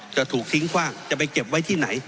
จะถูกทิ้งคว่างจะไปเก็บไว้ที่ไหน